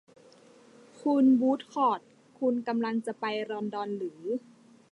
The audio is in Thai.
คุณวูดคอร์ต คุณกำลังจะไปลอนดอนหรือ ?